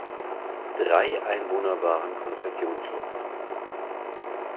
Drei Einwohner waren konfessionslos.